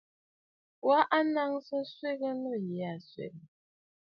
Wa a naŋsə nswegə nû yì aa swègə̀.